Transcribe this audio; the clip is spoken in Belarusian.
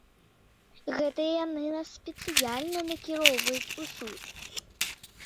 Гэта яны нас спецыяльна накіроўваюць у суд.